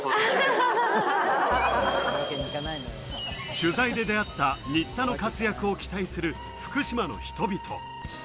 取材で出会った、新田の活躍を期待する福島の人々。